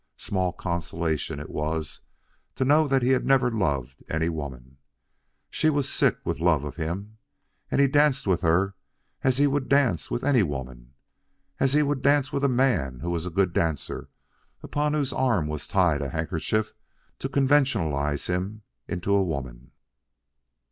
Small consolation it was to know that he had never loved any woman. She was sick with love of him, and he danced with her as he would dance with any woman, as he would dance with a man who was a good dancer and upon whose arm was tied a handkerchief to conventionalize him into a woman.